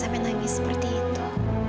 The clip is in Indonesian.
sampai nangis seperti itu